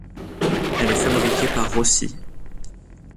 Elle est fabriquée par Rossi.